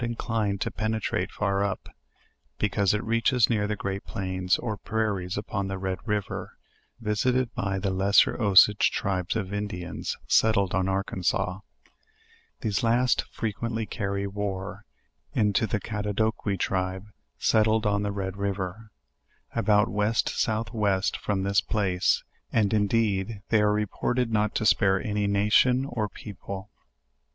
inclined to penetrate far up, because it reaches near the great plains or prairies upon the Red riv er, visited by the Lesser Osage tribes of Indians, settled on Arkansas; these last frequently carry war into the Cadado quis tribe settled on the Red river, about west south west from this place; and indeed they are reported not to spare any nation or people.